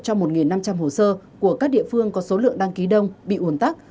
cho một năm trăm linh hồ sơ của các địa phương có số lượng đăng ký đông bị ủn tắc